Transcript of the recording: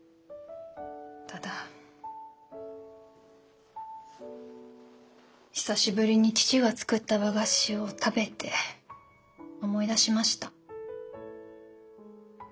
ただ久しぶりに父が作った和菓子を食べて思い出しました。